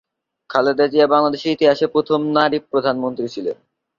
খালেদা জিয়া বাংলাদেশের ইতিহাসে প্রথম নারী প্রধানমন্ত্রী ছিলেন।